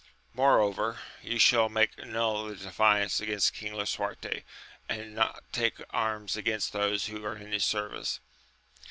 Moreover, you shall make null the defiance against King Lisuarte, and not take arms against those who are in his service.